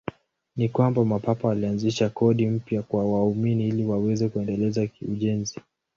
Ni kwamba Mapapa walianzisha kodi mpya kwa waumini ili waweze kuendeleza ujenzi.